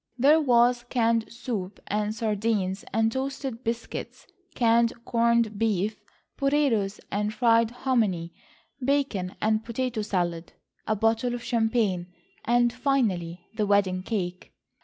There was canned soup, and sardines and toasted biscuits, canned corned beef, potatoes and fried hominy, bacon and a potato salad, a bottle of champagne, and finally the wedding cake.